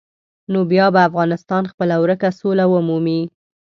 نو بیا به افغانستان خپله ورکه سوله ومومي.